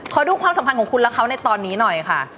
ขอดูความสัมพันธ์ของคุณและเขาในตอนนี้หน่อยค่ะ